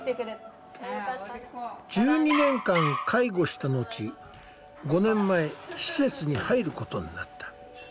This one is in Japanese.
１２年間介護をした後５年前施設に入ることになった。